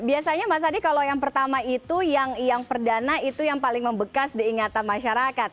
biasanya mas adi kalau yang pertama itu yang perdana itu yang paling membekas diingatan masyarakat